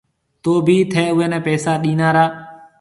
تو بي ٿَي اوَي نَي پيسآ ڏِنا را؟